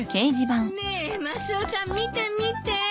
ねえマスオさん見て見て。